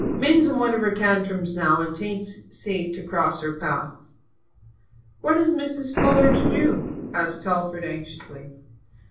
Min's in one of her tantrums now and 'tain't safe to cross her path." "What is Mrs. Fuller to do?" asked Telford anxiously.